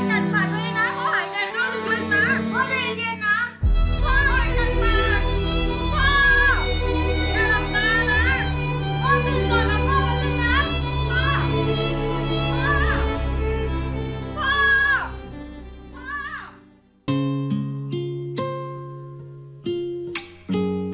พ่อพ่อพ่อ